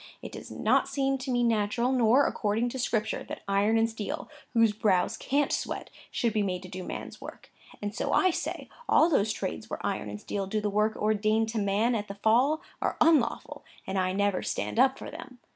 It does not seem to me natural, nor according to Scripture, that iron and steel (whose brows can't sweat) should be made to do man's work. And so I say, all those trades where iron and steel do the work ordained to man at the Fall, are unlawful, and I never stand up for them.